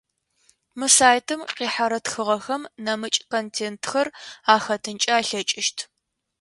Мы сайтым къихьэрэ тхыгъэхэм нэмыкӏ контентхэр ахэтынхэ алъэкӏыщт.